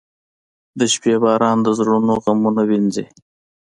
• د شپې باران د زړه غمونه وینځي.